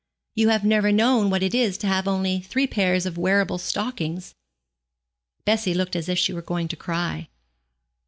You have never known what it is to have only three pairs of wearable stockings.' Bessie looked as if she were going to cry.